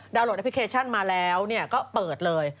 โหลดแอปพลิเคชันมาแล้วก็เปิดเลย